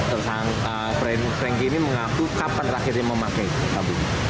tersangka frankie ini mengaku kapan terakhirnya memakai sabu